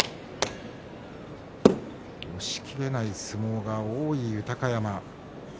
押しきれない相撲が多い豊山。